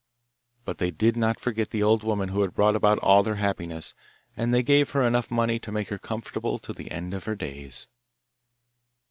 But they did not forget the old woman who had brought about all their happiness, and they gave her enough money to make her comfortable to the end of her days.